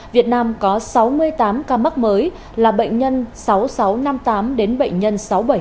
việt nam có sáu mươi tám ca mắc mới là bệnh nhân sáu nghìn sáu trăm năm mươi tám đến bệnh nhân sáu nghìn bảy trăm một mươi ba